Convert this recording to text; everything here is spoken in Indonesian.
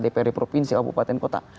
dprd provinsi bupaten kota